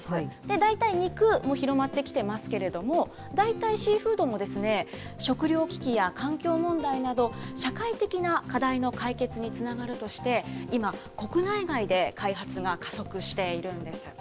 代替肉も広がってきていますけれども、代替シーフードも食料危機や環境問題など、社会的な課題の解決につながるとして、今、国内外で開発が加速しているんです。